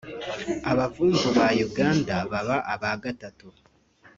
abavumvu ba Uganda baba aba gatatu